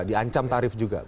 diancam tarif juga